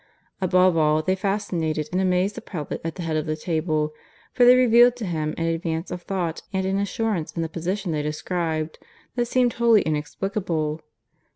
Above all, they fascinated and amazed the prelate at the head of the table, for they revealed to him an advance of thought, and an assurance in the position they described, that seemed wholly inexplicable.